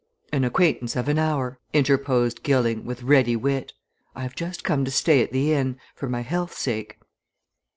"An acquaintance of an hour," interposed Gilling, with ready wit. "I have just come to stay at the inn for my health's sake."